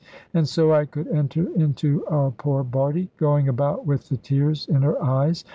And so I could enter into our poor Bardie, going about with the tears in her eyes.